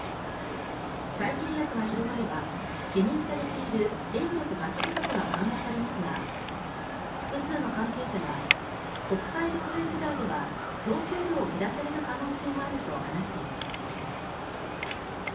再契約が広まれば懸念されている電力・ガス不足が緩和されますが複数の関係者が国際情勢次第では供給量を減らされる可能性もあると話しています。